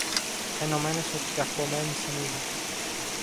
ενωμένες με την καρφωμένη σανίδα.